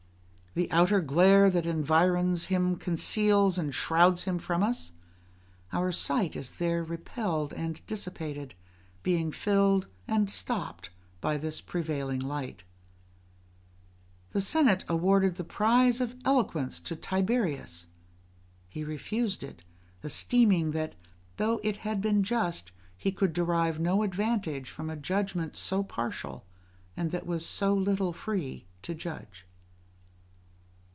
The outer glare that environs him conceals and shrouds him from us; our sight is there repelled and dissipated, being filled and stopped by this prevailing light. The senate awarded the prize of eloquence to Tiberius; he refused it, esteeming that though it had been just, he could derive no advantage from a judgment so partial, and that was so little free to judge.